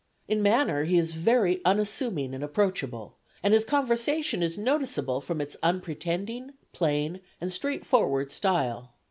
In manner he is very unassuming and approachable, and his conversation is noticeable from its unpretending, plain and straightforward style.